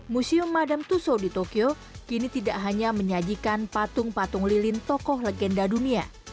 museum madam tusu di tokyo kini tidak hanya menyajikan patung patung lilin tokoh legenda dunia